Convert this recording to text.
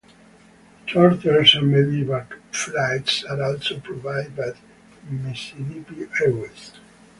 Charters and Medivac flights are also provided by Missinippi Airways.